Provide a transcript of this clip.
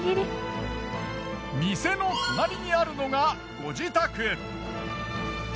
店の隣にあるのがご自宅。